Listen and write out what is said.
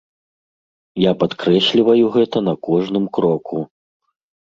Я падкрэсліваю гэта на кожным кроку!